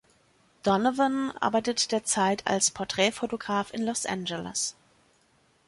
Donavan arbeitet derzeit als Porträtfotograf in Los Angeles.